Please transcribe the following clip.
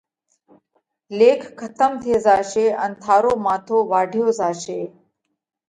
ليک کتم ٿي زاشي ان ٿارو ماٿو واڍيو زاشي۔